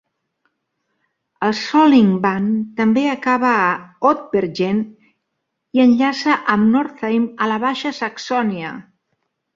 El Sollingbahn també acaba a Ottbergen i enllaça amb Northeim a la Baixa Saxònia.